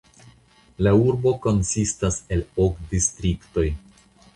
La urbo konsistas el ok distriktoj.